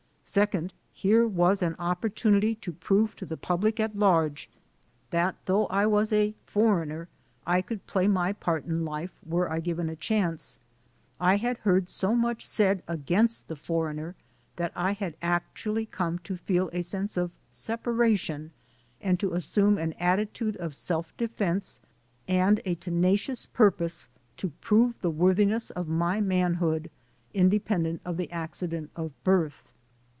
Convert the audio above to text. Second, here was an opportunity to prove to the public at large that though I was a "foreigner" I could play my part in life, were I given a chance. I had heard so much said against the "foreigner" that I had actually come to feel a sense of separation, and to assume an attitude of self defense and a tena cious purpose to prove the worthiness of my man hood, independent of the accident pf birth.